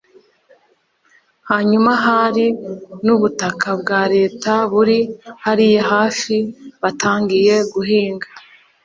Hanyuma hari n’ubutaka bwa leta buri hariya hafi batangiye guhinga